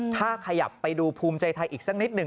ถ้าขยับไปดูภูมิใจไทยอีกสักนิดหนึ่ง